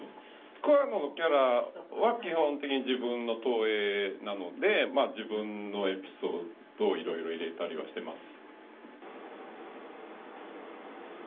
桑野のキャラは基本的に自分の投影なのでまあ自分のエピソードをいろいろ入れたりはしてます。